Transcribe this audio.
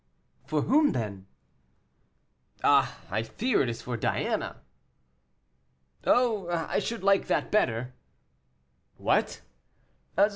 "For whom, then?" "Ah! I fear it is for Diana." "Oh! I should like that better." "What?"